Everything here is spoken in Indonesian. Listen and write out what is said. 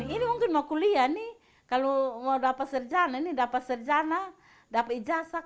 ini mungkin mau kuliah nih kalau mau dapat serjana ini dapat serjana dapat ijazah